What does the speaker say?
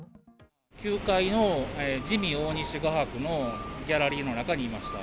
９階のジミー大西画伯のギャラリーの中にいました。